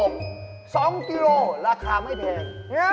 ๒กิโลราคาไม่แพง